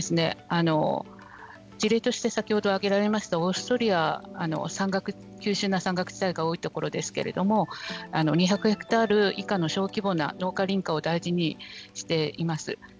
事例として先ほど挙げられましたオーストリア急しゅんな山岳地帯が多い所ですけれども２００ヘクタール以下の小規模な農家、林家を大事にしています。